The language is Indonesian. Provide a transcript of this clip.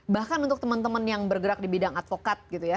bahkan untuk teman teman yang bergerak di bidang advokat gitu ya